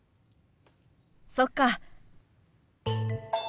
そっか。